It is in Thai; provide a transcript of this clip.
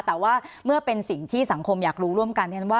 แต่ว่าเมื่อเป็นสิ่งที่สังคมอยากรู้ร่วมกันว่า